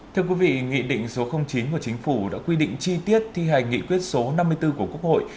thưa quý vị nghị định số chín của chính phủ đã quy định chi tiết thi hành nghị quyết số năm mươi bốn của quốc hội